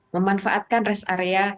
memanfaatkan rest area